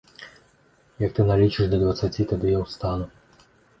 Як ты налічыш да дваццаці, тады я ўстану.